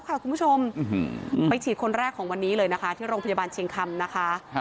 คุณผู้ชมไปฉีดคนแรกของวันนี้เลยนะคะที่โรงพยาบาลเชียงคำนะคะ